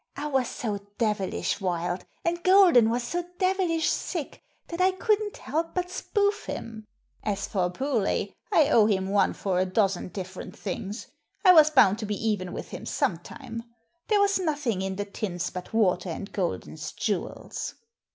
"I was so devilish wild, and Golden was so devilish sick, that I couldn't help but spoof him. As for Bewlay, I owe him one for a dozen different things ; I was bound to be even with him some time. There was nothing in the tins but water and Golden's jewels."